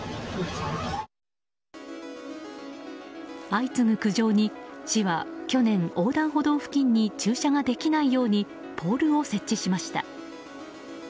相次ぐ苦情に市は去年、横断歩道付近に駐車ができないようにポールを設置しました。